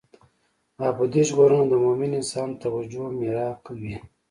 ابدي ژغورنه د مومن انسان توجه محراق وي.